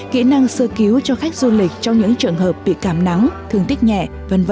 kỹ năng sơ cứu cho khách du lịch trong những trường hợp bị cảm nắng thương tích nhẹ v v